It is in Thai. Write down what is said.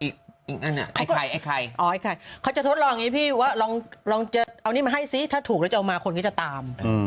ไข่อย่างงี้พี่เอามาให้ทุกคนเลยจะตาม